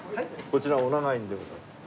こちらお長いんでございますか？